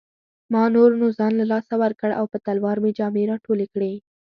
ما نور نو ځان له لاسه ورکړ او په تلوار مې جامې راټولې کړې.